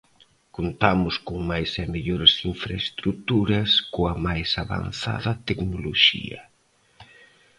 Contamos con máis e mellores infraestruturas, coa máis avanzada tecnoloxía.